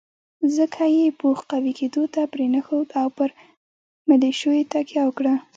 ځکه یې پوځ قوي کېدو ته پرېنښود او پر ملېشو یې تکیه وکړه.